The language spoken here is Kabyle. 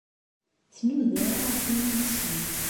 Tnuda ɣef yemmat-sent.